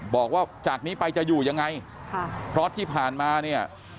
บอกว่าจากนี้ไปจะอยู่ยังไงค่ะเพราะที่ผ่านมาเนี่ย